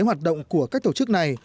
hoạt động của các tổ chức này